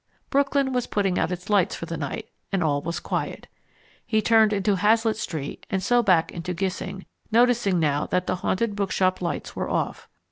Brooklyn was putting out its lights for the night, and all was quiet. He turned into Hazlitt Street and so back onto Gissing, noticing now that the Haunted Bookshop lights were off.